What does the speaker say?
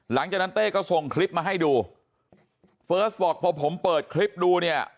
เต้ก็ส่งคลิปมาให้ดูเฟิร์สบอกพอผมเปิดคลิปดูเนี่ย